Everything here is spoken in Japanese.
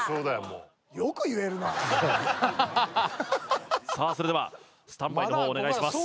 もうさあそれではスタンバイの方お願いします